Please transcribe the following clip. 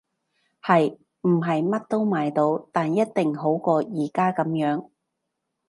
係！唔係乜都買到，但一定好過而家噉樣